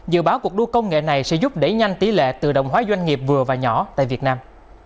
dự báo cuộc đua công nghệ này sẽ giúp đẩy nhanh tỷ lệ tự động hóa doanh nghiệp vừa và nhỏ tại việt nam